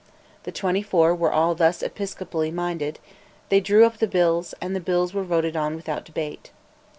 The twenty four were all thus episcopally minded: they drew up the bills, and the bills were voted on without debate.